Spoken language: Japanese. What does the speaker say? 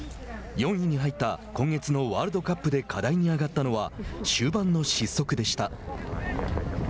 ４位に入った今月のワールドカップで課題に挙がったのは終盤の失速でした。